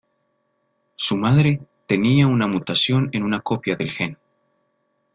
Su madre, tenía una mutación en una copia del gen.